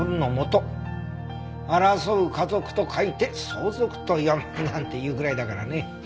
「争う家族と書いてソウゾクと読む」なんて言うぐらいだからね。